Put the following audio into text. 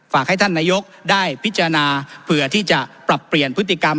ให้ท่านนายกได้พิจารณาเผื่อที่จะปรับเปลี่ยนพฤติกรรม